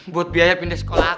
buat biaya pindah sekolah